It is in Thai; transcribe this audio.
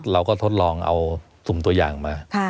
ทดลองเอาสุ่มตัวอย่างมา